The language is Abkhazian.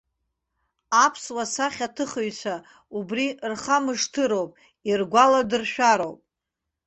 Аԥсуа сахьаҭыхҩцәа убри рхамышҭыроуп, иргәаладыршәароуп.